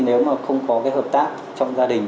nếu mà không có cái hợp tác trong gia đình